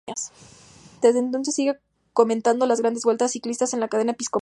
Desde entonces sigue comentando las grandes vueltas ciclistas en la cadena episcopal.